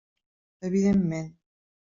Evidentment.